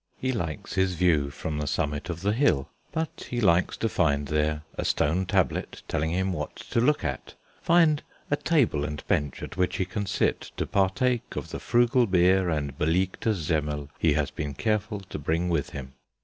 He likes his view from the summit of the hill, but he likes to find there a stone tablet telling him what to look at, find a table and bench at which he can sit to partake of the frugal beer and "belegte Semmel" he has been careful to bring with him.